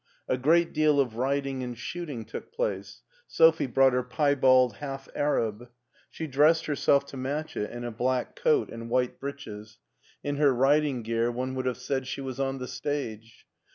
A great deal of riding and shooting took place. Sophie brought her piebald half arab. She dressed herself to match it in a black coat and white breeches; in her riding gear one would have said she was on the stage.